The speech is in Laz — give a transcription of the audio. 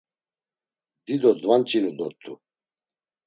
Dido dvanç̌inu dort̆u.